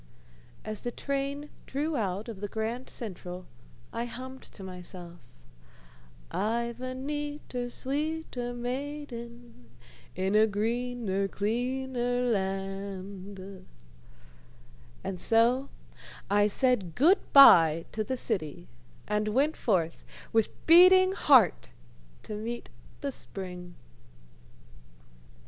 As the train drew out of the Grand Central, I hummed to myself, "I've a neater, sweeter maiden, in a greener, cleaner land" and so I said good by to the city, and went forth with beating heart to meet the spring.